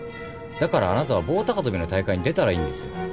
だからあなたは棒高跳びの大会に出たらいいんですよ。